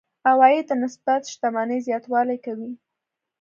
عوایدو نسبت شتمنۍ زياتوالی کوي.